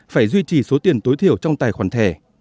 phải duy trì số tiền tối thiểu trong tài khoản thẻ